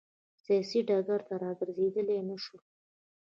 سیاسي ډګر ته راګرځېدای نه شول.